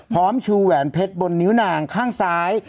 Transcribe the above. พร้อมชูแหวนเพชรบนนิ้วหน่างข้างซ้าย